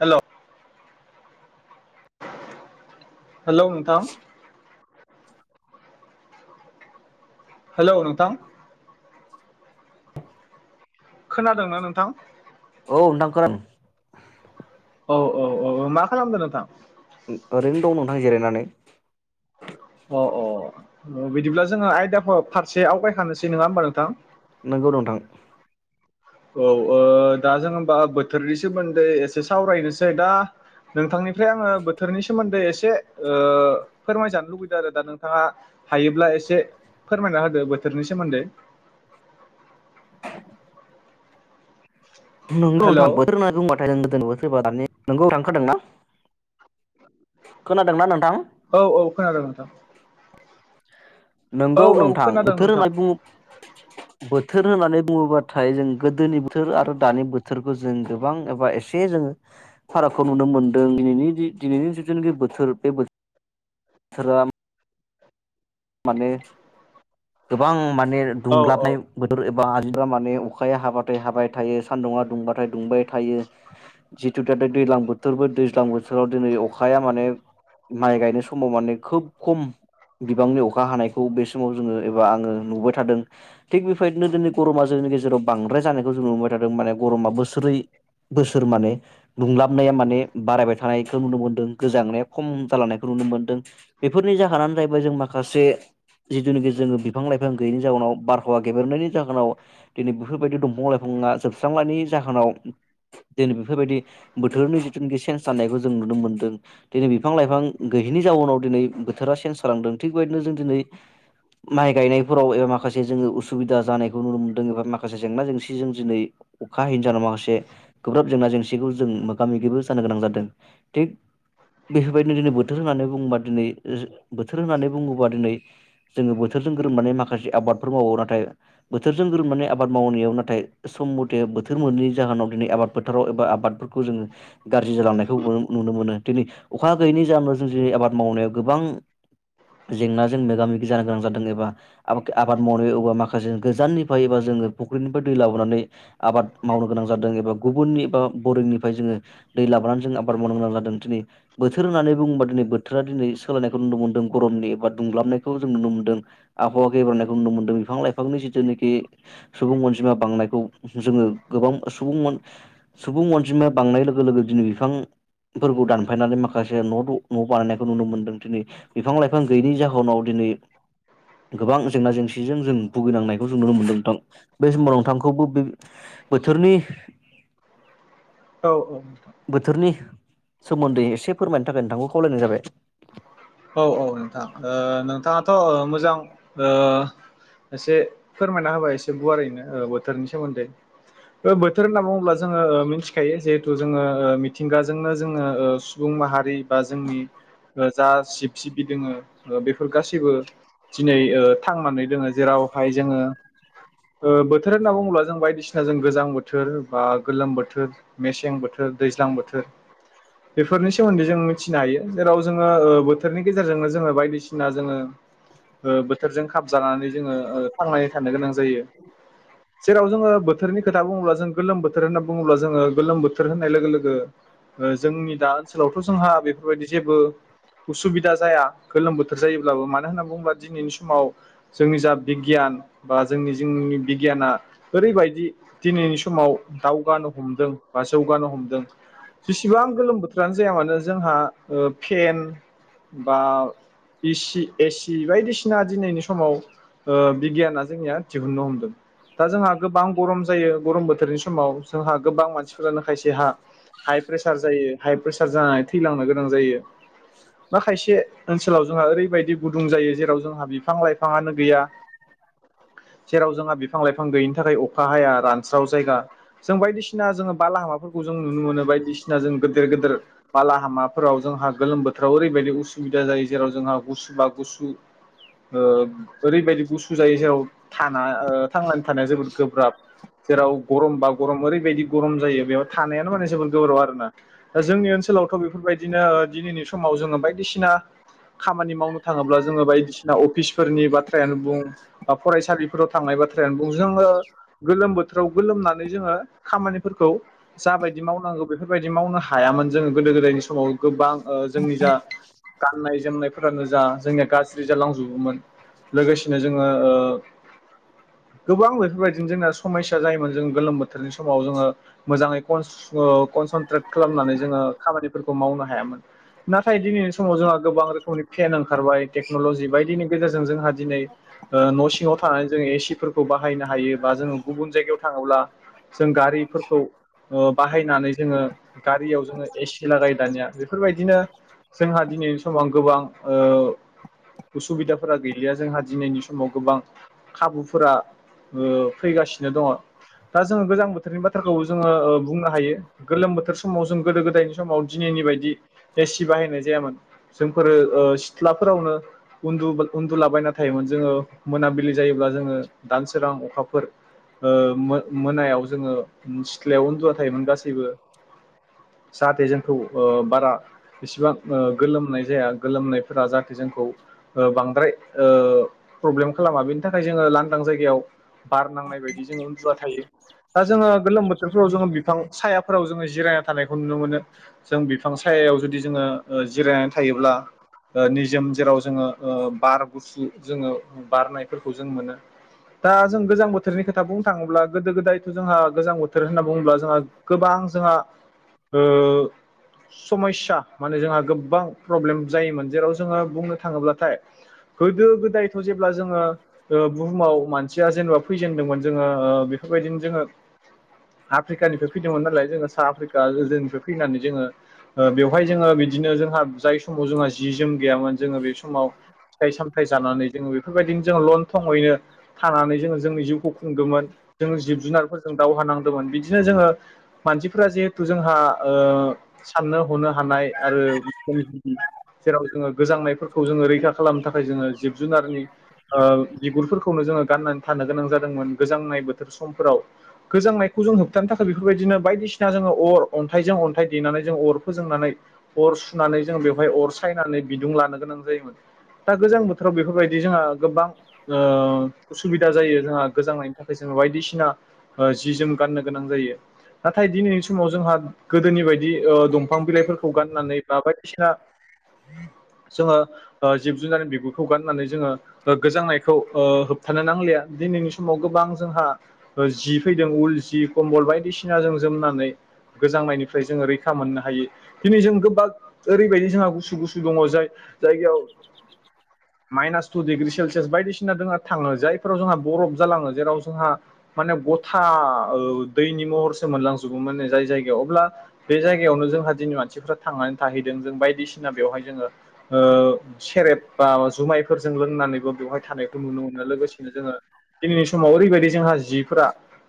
हेल' hello मिथाम। हेल' नोंथां। खोनादोंना नोंथां। औ नोंथां खोन। औ औ औ औ मा खालामदो नोंथां। [unintelligible] अ अ बिदिब्ला जोङो आयदाखौ फारसे आवगायखानोसै नङा होमबा नोंथां। नोंगौ नोंथां। औ ओ दा जों होमबा बोथोरनि सोमोन्दै एसे सावरायनोसै दा नोंथांनि। फ्राय आङो बोथोरनि सोमोन्दै एसे। से ओ फोरमाय जानो लुुबैदो आरो दा नोंथाङा हायोब्ला एसे फोरमायना होदो बोथोरनि सोमोन्दै। [inaudible] नोंगौ हेलौ नोंथां बोथोर होनना बुंबाथाय नों दोनबोथ। फैबा दानि नोंगौ नोंथां खादोंना खोनादोंना नों। औ औ खोनादों नोंथां। औ नोंगौ औ नोंथां खोनादों बोथोर नोंथां होननाय बुंङो। बोथोर होननानै बुङोबाथाय जों गोदोनि बोथोर आरो दानि बोथोरखौ जों गोबां एबा एसे जोङो फारागखौ नुनो मोनदों दिनैनि दिनैनि जिथुनिखि बोथोर बे बो थोरा। माने गोबां मात। माने औ औ दुंलाबनाय बोथोर। बाजिबा माने अखाया हाबाथाय हाबाय थायो सान्दुङा दुंबाथाय दुंबाय। थायो जिथु। जे दे दैज्लां बोथोरबो दैज्लां बोथोराव दिनै अखाया माने माइ गायनाय समाव माने खोब खम बिबांनि अखा। हानायखौ बे समाव जोङो एबा आङो नुबाय थादों थिग बेफायदिनो दिनै गरमआ जोंनि गेजेराव। बांद्राय जानायखौ जों नुुबायबाय थादों माने। गरमा बोसोरै बोसोर माने दुंलाबनाया माने बारायबाय थानायखौ नुनो मोनदों गोजांनाया खम जालांनायखौ नुनो मोनदों बेफोरनि जाहोनानो जाहैबाय जों माखासे। माखासे जिथुनिखि जोङो बिफां लाइफां गैयैनि जाहोनाव बारहावा गेबेरनायनि जाहोनाव दिनै बेफोरबायदि दंफां लाइफाङा जोबस्रांनायनि जाहोनाव। दिनै बेफोरबायदि बोथोरनि जिथुनाखि सेन्स जानायखौ जों नुनो मोनदों दिनै बिफां लाइफां गैयिनि जाउनाव दिनै बोथोरा सेन्स जालांदों। थिगबायदिनो जों दिनै माइ गायनायफोराव एबा माखासे जोङो उसुबिदा जानायखौ नुनो मोनदों एबा माखासे जेंना जेंसि जों दिनै अखा हायै जाहोना माखासे। बे गोब्राब जेंना जेंसि। बिदिखौ जों मोगा मोगिबो जानो गोनां जादों थिग बेफोरबायदिनो दिनै बोथोर होननानै बुंबा दिनै बोथोर होननानै। बुङोबा दिनै जोङो बोथोरजों गोरोबनानै माखासे आबादफोर मावो नाथाय बोथोरजों गोरोबनानै आबाद मावनायाव नाथाय सम मथे बोथोर मोनैनि जाहोनाव दिनै आबाद फोथाराव एबा आबादफोरखौ जोङो गाज्रि जालांनायखौ नुनो मोनो दिनै अखा गैयैनि जाहोनाव जों दिनै आबाद मावनायाव गोबां। जेंनाजों मोगा मोगि जानो गोनां जादों एबा आबाद आबाद मावनाय एबा माखासे गोजाननिफ्राय एबा जोङो फुख्रिनिफ्राय दै लाबोनानै आबाद मावनो गोनां जादों एबा गुबुननि एबा बरिंनिफ्राय जोङो दै लाबोनानै जोंङ आबाद मावनो गोनां जादों दिनै बोथोर होननानै बुङोबा दिनै बोथोरा दिनै सोलायनायखौ नुनो मोनदों गरमनि। बा दुंब्लाबनायखौ जों नुनो मोन्दों आबहावा गेब्रेनायखौ नुनो मोनदों बिफां लाइफांनि जिथुनिखि सुबुं अनजिमा बांनायखौ जोङो गोबां सुबुं सुबुं अनजिमा बांनाय लोगो लोगो। दिनै बिफां फोरखौ दान। फायनानै माखासे नदु न बानायनायखौ नुनो मोनदों दिनै बिफां लाइफां। गैयैनि जाहोनाव दिनै गोबां जेंना जेंसिजों जों भुगिनांनायखौ जों नुनो मोनदों नोंथां बे समाव नोंथांखौबो बे बोथोरनि। औ औ। बोथोरनि सोमोन्दै एसे फोरमायनो थाखाय नोंथांखौ खावलायनाय जाबाय। औ औ औ। ओ नोंथाङाथ मोजां ओ एसे फोरमायना होबाय एसे गुवारैनो ओ बोथोरनि सोमोन्दै ओ बोथोर होनना बुङोब्ला जोङो ओ मोनथिखायो जिहेथु जोङो ओ मिथिंगाजोंनो जोङो ओ सुबुं माहारि बा जोंनि ओ जा सिब सिबि दङो ओ बेफोर गासैबो दिनै ओ थांनानै दोङो जेरावहाय जोङो ओ बोथोर होनना बुङोब्ला जों बायदिसिना जों गोजां बोथोर बा गोलोम बोथोर मेसें बोथोर दैज्लां बोथोर बेफोरनि सोमोन्दै जों मिथिनो हायो जेराव जोङो ओ बोथोरनि गेजेरजोंनो जोङो बायदिसिना जोङो ओ बोथोरजों खाबजानानै जोङो ओ थांनानै थानो गोनां जायो जेराव जोङो बोथोरनि खोथा बुङोब्ला जों गोलोम बोथोर होनना बुङोब्ला जोङो गोलोम बोथोर होननाय लोगो लोगो ओ जोंनि दा ओनसोलावथ जोंहा बेफोरबायदि जेबो उसुबिदा जाया गोलोम बोथोर जायोब्लाबो मानो होनना बुंङोब्ला दिनैनि समाव जोंनि जा बिगियान बा जोंनि जोंनि बिगियाना ओरैबायदि दिनैनि समाव दावगानो हमदों बा जौगानो हमदों जेसेबां गोलोम बोथोरानो जाया मानो जोंहा ओ फेन बा एसि एसि बायदिसिना दिनैनि समाव ओ बिगियाना जोंनिया दिहुननो हमदों दा जोंहा गोबां गरम जायो गरम बोथोरनि समाव जोंहा गोबां मानसिफोरानो खायसेहा हाइ प्रेसार जायो हाइ प्रेसार जानानै थैलांनो गोनां जायो। ना खायसे ओनसोलाव जोंहा ओरैबायदि गुदुं जायो जेराव जोंहा बिफां लाइफाङानो गैया जेराव जोंहा बिफां लाइफां गैयिनि थाखाय अखा हाया रानस्राव जायगा जों बायदिसिना जोंङो बालाहामाफोरखौ जों नुनो मोनो बायदिसिना जों गेदेर गेदेर बालाहामाफोराव जोंहा गोलोम बोथोर खाव ओरैबायदि असुबिदा जायो जेराव जोंहा गुसु बा गुसु ओ ओरैबायदि गुसु जायो जेरावा थाना‌ थांनानै थानाया जोबोद गोब्राब जेराव गरम बा गरम ओरैबायदि गरम जायो बेयाव थानायानो माने जोबोद गोब्राब आरोना दा जोंनि ओनसोलावथ बेफोरबायदिनो दिनैनि स समाव जोंङो बायदिसिना खामानि मावनो थांङोब्ला जोंङो बायदिसिना अफिसफोरनि बाथ्रायानो बुं बा फरायसालिफोराव थांनाय बाथ्रायानो बुं जोंङो गोलोम बोथोराव गोलोमनानै जोंङो खामानिफोरखौ जाबायदि मावनांगौ बेफोरबायदि मावनो हायामोन जोंङो गोदो गोदायनि समाव समाव गोबां जोंनि जा गा नायजेनाय फोरानो जा जोंना गाज्रि जालांजोब मोन लोगोसेनो जोंङो ओ गोबां बेफोरबायदिनो जोंना समयया जायोमोन जों गोलोम बोथोरनि समाव जोंङो मोजांङै कनसेन कनसेनट्रेट खालामनानै जोंङो खामानिफोरखौ मावनो हायामोन। नाथाय दिनैनि समाव जोंहा गोबां रोखोमनि फेन ओंखारबाय टेक्नलजि बायदिनि गेजेरजों जोंहा दिनै ओ न सिंङाव थानानै जोंङो एसिफोरखौ बाहायनो हायो बा जोंङो गुबुन जायगायाव थांङोब्ला जों गारिफोरखौ बाहायनानै जोंङो गारियाव जोंङो एसि लागाय दानिया बेफोरबायदिनो। जोंहा दिनैनि समाव गोबां ओ उसुबिदाफोरा गैलिया जोंहा दिनैनि समाव गोबां खाबुफोरा उम फैगासिनो दंङ दा जोंङो गोजां बोथोरनि बाथ्राखौ जोंङो ओ बुंनो हायो गोलोम बोथोर समाव जों गोदो गोदायनि समाव दिनैनि बायदि एसि बाहायनाय जायामोन जोंफोरो ओ सिथ्लाफोरावनो उन्दु उन्दुलाबायना थायोमोन जोंङो मोनाबिलि जायोब्ला जोंङो दान सोरां अखा फोर ओ मोनायाव जोंङो सिथ्लायाव उन्दुवा थायोमोन गासैबो जाहाथे ओ जोंखौ बारा इसिबां ओ गोलोमनाय जाया गोलोमनायफोरा जाहाथे जोंखौ बांद्राय ओ प्रब्लेम खालामा बेनि थाखाय जोंङो लांदां जायगायाव। बार नांनाय बायदि जोंङो उन्दुना थायो। दा जोंङो गोलोम बोथोरफोराव जोंङो बिफां सायाफोराव जोंङो जिरायना थानायखौ नुनो मोनो जों बिफां सायायाव जों बिदि जोंङो ओ‌ जिरायनानै थायोब्ला नि जोम जेराव जोंङो ओ बार गुसु जोंङो बारनायफोरखौ जों मोनो दा जों गोजां बोथोरनि खोथा बुंनो थांङोब्ला गोदो गोदायथ जोंहा गोजां बोथोर होन बुंङोब्ला जोंहा गोबां जोंहा ओ समायसा माने जोंहा गोबां प्रब्लेम जायोमोन जेराव जोंङो बुंनो थांङोब्लाथाय गोदो गोदायथ जेब्ला जोंङो ओ‌ बुहुमाव मानसिया जेनेबा फैजेनदोंमोन जोंङो ओ बेफोरबायदिनो जोंङो आफ्रिकानिफ्राय फैदोंमोन नालाय जोंङो साउथ आफ्रिका गोनिफ्राय फैनानै जोंङो ओ बेयाव बेहाय जोंङो बिदिनो जोंहा जाय समाव जोंहा जि जोम गैयामोन जोंङो बे समाव फिथाइ सामथ जानानै जोंङो बेफोरबायदिनो जों लंथंङैनो थानानै जोंङो जोंनि जिउखौ खुंदोंमोन जों जिब जुनारफोरजों दावहा नांदोंमोन बिदिनो जोंङो मानसिफोरा जिहेथु जोंहा ओ साननो हनो हानाय आरो जेराव जोंङो गोजांनायफोरखौ जोंङो रैखा खालामनो थाखाय जोंङो जिब जुनारनि ओ बिगुरफोरखौनो जोंङो गाननानै थानो गोनां जादोंमोन गोजांनाय बोथोर समफोराव गोजांनायखौ जों होबथानो थाखाय बेफोरबायदिनो बायदिसिना जोंङो अर अन्थाइजों अन्थाइ देनानै जों अर फोजोंनानै अर सुनानै जोंङो बेवहाय अर सायनानै बिदुं लानो गोनां जायोमोन दा गोजां बोथोराव बेफोरबायदि जोंहा गोबां ओ उसुबिदा जायो जोंहा गोजांनायनि थाखाय जोंङो बायदिसिना ओ जि जोम गाननो गोनां जायो नाथाय दिनैनि समाव जोंहा गोदोनि बायदि ओ दं बिफां बिलाइफोरखौ गाननानै बा बायदिसिना जोंङो जिब ओ जुनारनि बिगुरखौ गाननानै जोंङो गोजांनायखौ ओ होबथानो नांलिया दिनैनि समाव गोबां जोंहा जि फैदों उल जि कम्बल बायदिसिना जों जोमनानै गोजांनायनिफ्राय जोंङो रैखा मोननो हायो। दिनै जों गोबां ओरैबायदि जोंहा गुसु गुसु दङ जाय जायगायाव माइनास टु डिग्रि सेलसियास बायदिसिना जोंहा थाङो जायफोराव जोंहा बरफ जालाङो जेराव जोंहा माने गथा औ दैनि महरसो मोनलांजोबोमोन जाय जायगायाव अब्ला बे जायगायावनो जोंहा जोंनि मानसिफोरा थांनानै थाहैदों जों बायदिसि ना बेवहाय जोङो ओ सेरेब बा जुमायफोरजों लोंनानैबो बेवहाय थानायखौ नुनो मोनो लोगोसेनो जोङो दिनैनि समाव ओरैबायदि जोंहा जिफोरा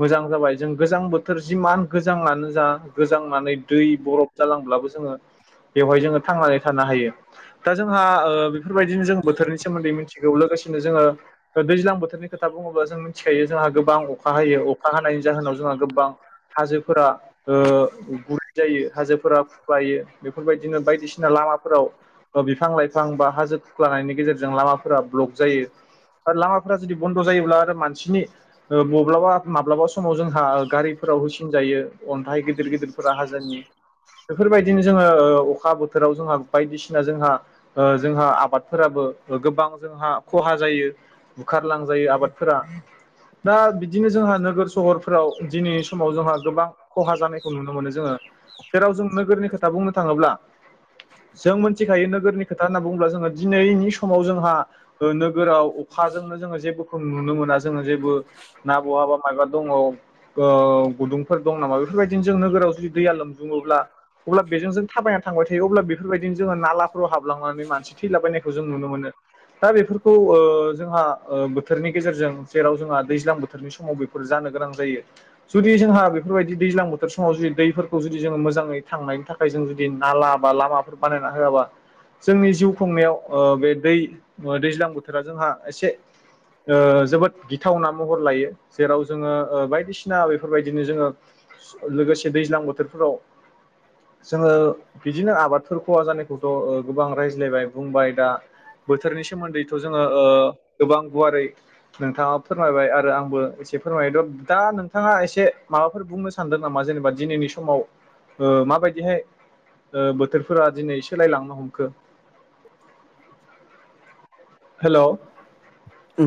मोजां जाबाय जों गोजां बो थोर जिमान गोजाङानो जा गोजांनानै दै बरफ अब्लाबो जोङो बेहाय जांनानै थानो हायो दा जोंहा बेफोरबायदिनो जों बोथोरनि सोमोन्दै मिथिगौ लोगोसेनो जोङो दैज्लां बोथोरनि खोथा बुङोबा जों मिथिखायो जोंहा गोबां अखा हायो अखा हानायनि जाहोनाव जोंहा गोबां हाजोफोरा ओ गुरै जायो। हाजोफोरा खुख्लायो बेफोरबायदिनो बायदिसिना लामाफोराव बिफां लाइफां बा हाजो खुख्लानायनि गेजेरजों लामाफोरा ब्लक जायो आरो लामाफोरा जुदि बन्द' जायोब्ला आरो मानसिनि मब्लाबा माब्लाबा समाव जोंहा गारिफोराव होसिनजायो अन्थाइ गिदिर गिदिरफोरा हाजोनि। बेफोरबायदिनो जोङो अखा बोथोराव जोंहा बायदिसिना जोंहा जोंहा आबादफोराबो गोबां जोंहा खहा जायो बुखारलांजायो आबादफोरा दा बिदिनो जोंहा नोगोर सहरफोराव दिनैनि समाव जोंहा गोबां खहा जानायखौ नुनो मोनो जोङो। जेराव जों नोगोरनि खोथा बुंनो थाङोब्ला जों मिथिखायो नोगोरनि खोथा होनना बुङोब्ला जोङो दिनैनि समाव जोंहा नोगोराव अखाजोंनो जोङो जेबो जों नुनो मोना जोङो जेबो ना बहाबा माबा दङ ओ गुदुंफोर दं नामा बेफोरबायदिनो जों नोगोराव जुदि दैआ बुङोब्ला अब्ला बेजों जों थाबायना थांबाय थायो अब्ला बेफोरबायदिनो जोङो नाला फोराव हाबलांनानै मानसि थैलाबायनाय जों नुनो मोनो दा बे जों बोथोरनि गेजेरजों जेराव जोंहा दैजां बोथोरनि समाव बेफोर जानो गोनां जायो जुदि जोंहा बेफोरबायदि दैजां बोथोर समाव जुदि दैफोरखौ जुदि जोङो मोजाङै थांनायनि थाखाय जों जुदि नाला बा लामाफोर बानायना होआबा जोंनि जिउ खुंनायाव बे दै दैज्लां बोथोरा जोंहा एसे जोबोद ओ गिथावना महर लायो जेराव जोङो बायदिसिना बेफोरबायदिनो जोङो लोगोसे दैज्लां बोथोर फोराव जोङो बिदिनो आबादफोर खहा जानायखौथ' गोबां रायज्लायबाय बुंबाय दा बोथोरनि सोमोन्दैथ' जोङो ओ गोबां गुवारै नोंथाङा फोरमायबाय आरो आंबो एसे फोरमायोथ' दा नोंथाङा एसे माबाफोर बुंनो सानदों नामा जेनेबा दिनैनि समाव? ओ माबायदिहाय ओ बोथोरफोरा दिनै सोलायलांनो हमखो? हेल'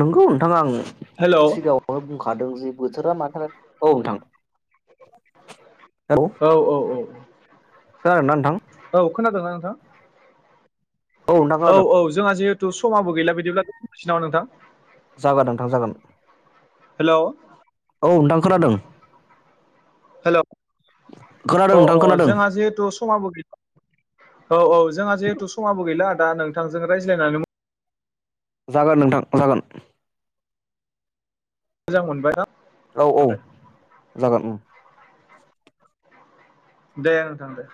नंगौ नोंथाङा आं हेल' औ सिगाङावनो बुंखादों जे बोथोरा मानि थाखाय औ नोंथां। हेलौ औ औ औ खोनादोंना नोंथां? औ खोनादोंना नोंथां? नोंथां औ खोनादों औ जोंहा जिहे समाबो गैला बिदिब्लाथ' दोननोसै नामा नोंथां? जागोन नोंथां जागोन। हेलौ औ नोंथां खोनादों हेलौ खोनादों अ नोंथां अ खोनादों जोंहा जिहेथु समाबो गैला औ औ जोंहा जिहेथु समाबो गैला आ दा नोंथांजों रायज्लायनानै जागोन नोंथां जागोन। मोजां मोनबाय। औ औ जागोन दे नोंथां दे।